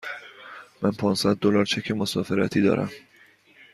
من پانصد دلار چک مسافرتی دارم.